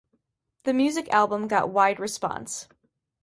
The music album got wide response.